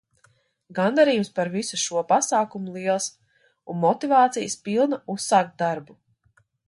Gandarījums par visu šo pasākumu liels un motivācijas pilna uzsākt darbu.